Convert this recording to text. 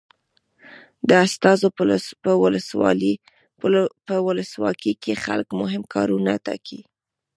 د استازو په ولسواکي کې خلک مهم کارونه ټاکي.